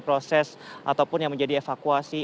proses ataupun yang menjadi evakuasi